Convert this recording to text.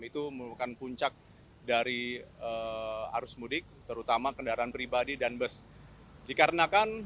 itu merupakan puncak